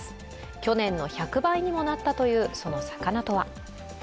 去年の１００倍にもなったというその魚とは。